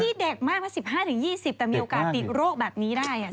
นี่เด็กมากว่า๑๕๒๐แต่มีโอกาสติดโรคแบบนี้ได้